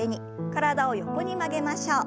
体を横に曲げましょう。